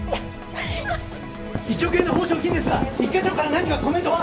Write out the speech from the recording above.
１億円の報奨金ですが一課長から何かコメントは？